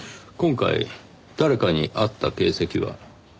今回誰かに会った形跡は？